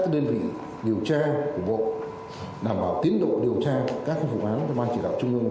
các đơn vị điều tra của bộ đảm bảo tiến độ điều tra các vụ án cho ban chỉ đạo trung ương